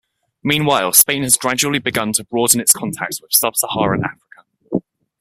Meanwhile, Spain has gradually begun to broaden its contacts with Sub-Saharan Africa.